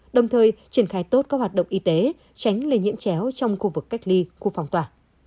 đồng thời triển khai tốt các hoạt động y tế tránh lây nhiễm chéo trong khu vực cách ly khu phòng tỏa